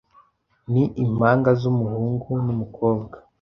Ni impanga z’umuhungu n’umukobwa